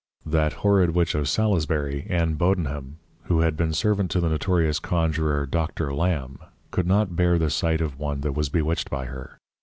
That horrid Witch of Salisbury, Ann Bodenham who had been Servant to the Notorious Conjurer Dr. Lamb, could not bear the sight of one that was Bewitched by her.